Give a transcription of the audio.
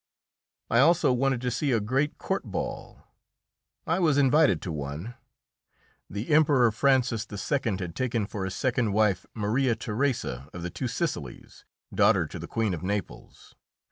I also wanted to see a great court ball. I was invited to one. The Emperor Francis II. had taken for his second wife Maria Theresa of the two Sicilies, daughter to the Queen of Naples.